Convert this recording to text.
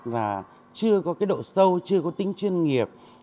và chưa có độ sâu chưa có tính chuyên nghiệp